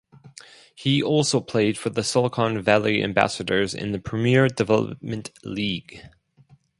He also played for the Silicon Valley Ambassadors in the Premier Development League.